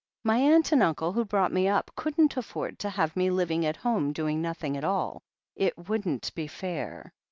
My aunt and uncle, who brought me up, couldn't afford to have me living at home doing nothing at all — it wouldn't be fair."